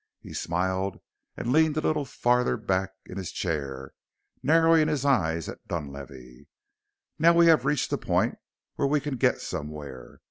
He smiled and leaned a little farther back in his chair, narrowing his eyes at Dunlavey. "Now we have reached a point where we can get somewhere.